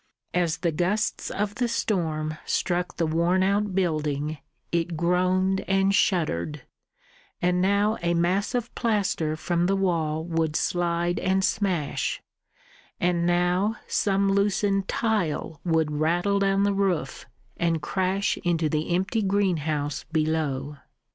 As the gusts of the storm struck the worn out building, it groaned and shuddered, and now a mass of plaster from the wall would slide and smash, and now some loosened tile would rattle down the roof and crash into the empty greenhouse below.